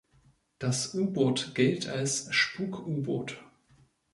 Das U-Boot gilt als das „Spuk-U-Boot“.